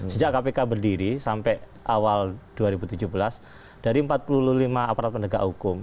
sejak kpk berdiri sampai awal dua ribu tujuh belas dari empat puluh lima aparat penegak hukum